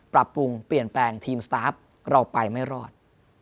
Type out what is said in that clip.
ปรับปรุงเปลี่ยนแปลงทีมสตาฟเราไปไม่รอด